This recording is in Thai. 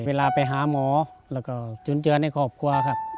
เวลาไปหาหมอแล้วก็ชุนเจือนให้เขาอบกว่าครับ